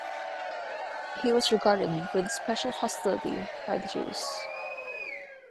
He was regarded with special hostility by the Jews.